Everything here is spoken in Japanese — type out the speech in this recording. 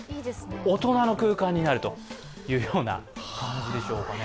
大人の空間になるというような感じでしょうかね。